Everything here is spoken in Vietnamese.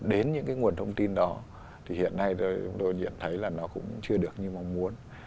đến những cái nguồn thông tin đó thì hiện nay chúng tôi nhận thấy là nó cũng chưa được như mong muốn